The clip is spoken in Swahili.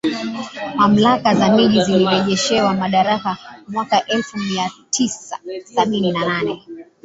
Mamlaka za Miji zilirejeshewa madaraka mwaka elfu moja mia tisa sabini na nane